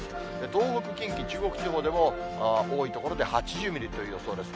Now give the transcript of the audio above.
東北、近畿、中国地方でも多い所で８０ミリという予想です。